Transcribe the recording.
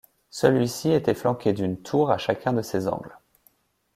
Celui-ci était flanqué d'une tour à chacun de ses angles.